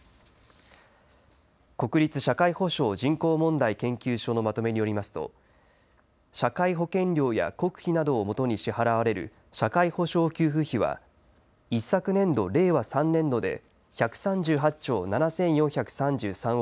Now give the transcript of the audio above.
国立社会保障・人口問題研究所のまとめによりますと社会保険料や国費などをもとに支払われる社会保障給付費は一昨年度令和３年度で１３８兆７４３３億